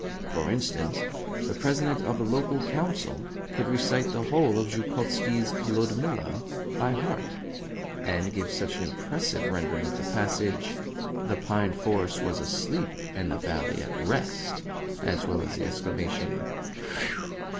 For instance, the President of the Local Council could recite the whole of Zhukovski's LUDMILLA by heart, and give such an impressive rendering of the passage "The pine forest was asleep and the valley at rest" (as well as of the exclamation "Phew!")